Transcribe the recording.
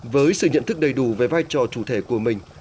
với sự nhận thức đầy đủ về vai trò chủ thể của mình